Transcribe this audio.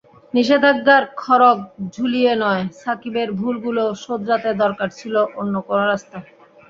নিষেধাজ্ঞার খড়্গ ঝুলিয়ে নয়, সাকিবের ভুলগুলো শোধরাতে দরকার ছিল অন্য কোনো রাস্তা।